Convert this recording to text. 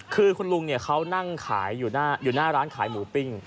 คือคุณลุงเนี่ยเขานั่งขายอยู่หน้าร้านขายหมูปิ้ง